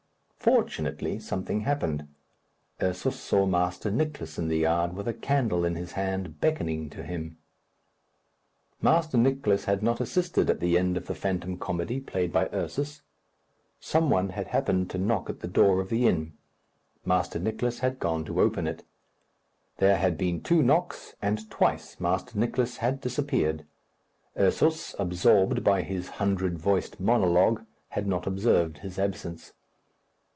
Fortunately, something happened. Ursus saw Master Nicless in the yard, with a candle in his hand, beckoning to him. Master Nicless had not assisted at the end of the phantom comedy played by Ursus. Some one had happened to knock at the door of the inn. Master Nicless had gone to open it. There had been two knocks, and twice Master Nicless had disappeared. Ursus, absorbed by his hundred voiced monologue, had not observed his absence.